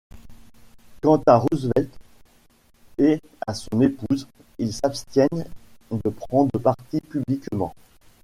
Quant à Roosevelt et à son épouse, ils s’abstiennent de prendre parti publiquement.